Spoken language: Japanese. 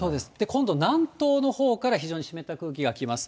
今度、南東のほうから非常に湿った空気が来ます。